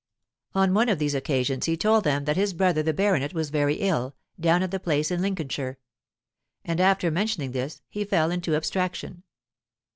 On one of these occasions, he told them that his brother the baronet was very ill, down at the "place in Lincolnshire." And after mentioning this, he fell into abstraction.